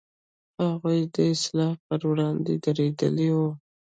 هغوی د اصلاح پر وړاندې درېدلي و.